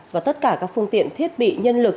và tất cả các phương tiện thiết bị nhân lực